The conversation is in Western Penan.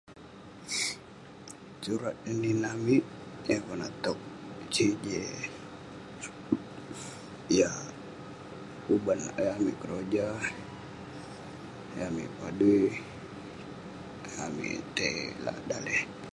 Surat eh nin amik, yah konak tog sijil, yah uban ayuk amik keroja, ayuk amik padui, ayuk amik tai lak daleh.